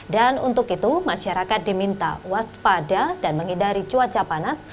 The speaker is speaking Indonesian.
dan untuk itu masyarakat diminta waspada dan menghindari cuaca panas